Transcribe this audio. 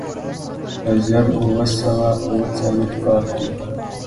په زر اووه سوه اوه څلوېښت کال کې.